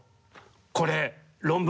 これ論文